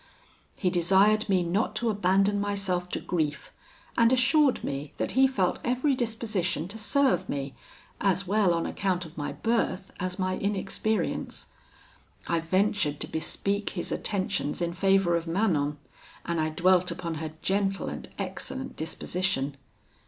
He desired me not to abandon myself to grief, and assured me that he felt every disposition to serve me, as well on account of my birth as my inexperience. I ventured to bespeak his attentions in favour of Manon, and I dwelt upon her gentle and excellent disposition.